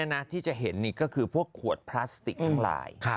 เยอะสุดที่จะเห็นก็คือพวกขวดพลาสติกทั้งหลาย